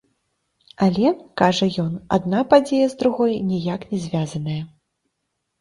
Але, кажа ён, адна падзея з другой ніяк не звязаная.